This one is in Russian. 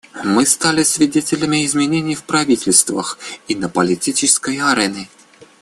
Мы стали свидетелями изменений в правительствах и на политической арене.